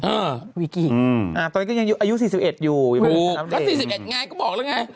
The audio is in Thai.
เอออืมอ่าตอนนี้ก็ยังอยู่อายุสี่สิบเอ็ดอยู่ถูกแล้วสี่สิบเอ็ดไงก็บอกแล้วไง